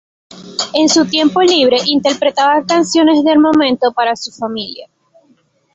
En su tiempo libre interpretaba canciones del momento para su familia.